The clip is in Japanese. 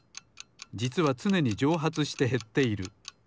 じつはつねにじょうはつしてへっている。